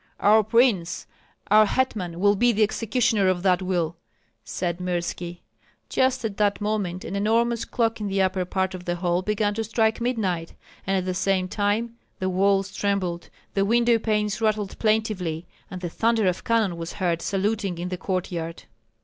"Our prince, our hetman, will be the executioner of that will!" said Mirski. Just at that moment an enormous clock in the upper part of the hall began to strike midnight, and at the same time, the walls trembled, the window panes rattled plaintively, and the thunder of cannon was heard saluting in the courtyard.